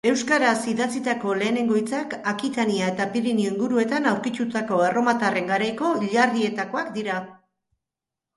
Euskaraz idatzitako lehenengo hitzak Akitania eta Pirinio inguruetan aurkitutako erromatarren garaiko hilarrietakoak dira